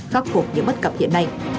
khắc phục những bất cập hiện nay